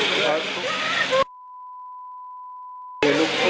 หรือดูสิ